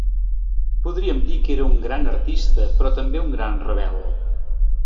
Podríem dir que era un gran artista però també un gran rebel.